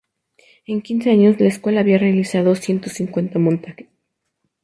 En quince años, la escuela había realizado ciento cincuenta montajes.